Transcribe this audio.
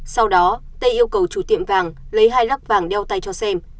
sau đó t yêu cầu chủ tiệm vàng lấy hai rắc vàng đeo tay cho xem